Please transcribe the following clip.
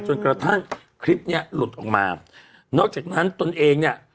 จนกระทั่งคลิปเนี้ยหลุดออกมานอกจากนั้นตนเองเนี่ย